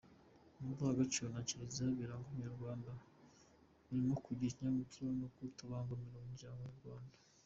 Mu ndangagaciro na kirazira biranga umunyarwanda harimo kugira ikinyabupfura no kutabangamira umuryango nyarwanda.